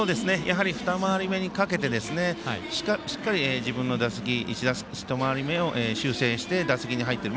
２回り目にかけてしっかり自分の打席１回り目を修正して打席に入っている。